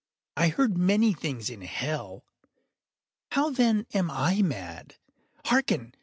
I heard many things in hell. How, then, am I mad? Hearken!